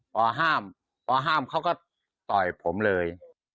พอห้ามเขาก็ต่อยผมเลย